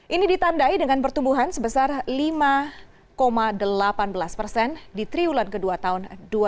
ini ditandai dengan pertumbuhan sebesar lima delapan belas persen di triwulan kedua tahun dua ribu dua puluh